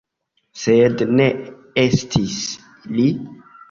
Sed, ne estis li.